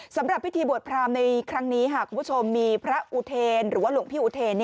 สำหรับพิธีบวชพรามในครั้งนี้คุณผู้ชมมีพระอุเทรนหรือว่าหลวงพี่อุเทน